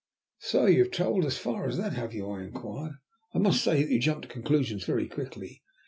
"So you have travelled as far as that, have you?" I inquired. "I must say that you jump to conclusions very quickly.